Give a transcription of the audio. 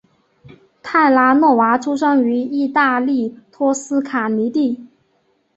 泰拉诺娃出生于义大利托斯卡尼的。